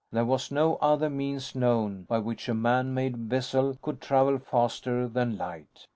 There was no other means known, by which a man made vessel could travel faster than light.